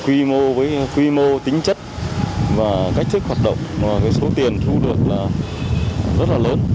quy mô với quy mô tính chất và cách thức hoạt động mà số tiền thu được là rất là lớn